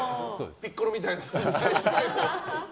ピッコロみたいなね。